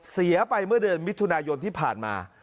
เสียไปเมื่อเดือนมิถุนายนที่ผ่านมา